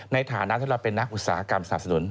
ในฐานะที่เราเป็นนักอุตสาหกรรมสนับสนุน